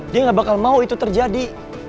dia nggak bakal mau itu terjadi